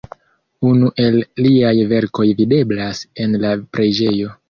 Unu el liaj verkoj videblas en la preĝejo.